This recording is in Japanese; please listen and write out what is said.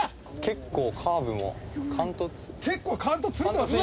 結構カントついてますね。